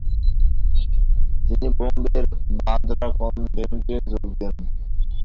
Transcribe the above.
তিনি বোম্বের বান্দ্রা কনভেন্টে যোগ দেন।